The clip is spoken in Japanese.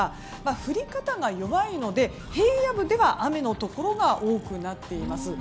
降り方が弱いので平野部では雨のところが多くなっています。